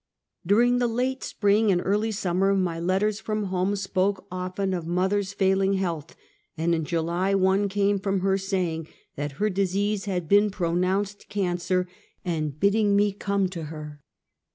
DuEiNG the late spring and early summer, my let ters from home spoke often of mother's failing health, and in July one came from her saying her disease had been pronounced cancer, and bidding me come to her.